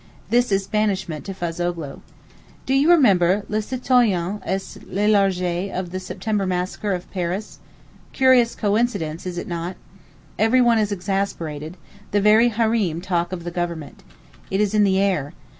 This is banishment to Fazoghlou. Do you remember le citoyen est élargi of the September massacres of Paris? Curious coincidence, is it not? Everyone is exasperated—the very Hareem talk of the government. It is in the air.